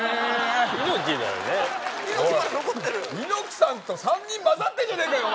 猪木さんと３人まざってんじゃねえかよ